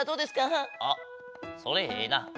あっそれええな。